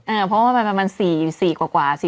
เออเพราะว่าประมาณ๔กว่า๔๗๔๘